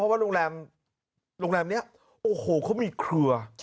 แรงโรงแรมเนี้ยโอ้โหเค้ามีเครือ